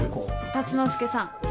竜之介さん。